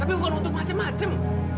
tapi bukan untuk macem macem